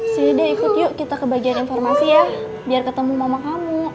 sini deh ikut yuk kita ke bagian informasi ya biar ketemu mama kamu